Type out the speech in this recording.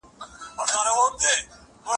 موږ ته باید په څېړنه کي خپلواکي راکړل سي.